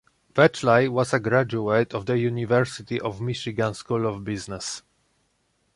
Wechli was a graduate of the University of Michigan School of Business.